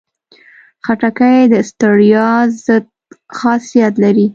خټکی د ستړیا ضد خاصیت لري.